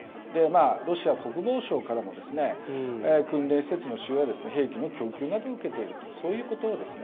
ロシア国防省からも訓練施設の使用や兵器の供給などを受けているとそういうことですね。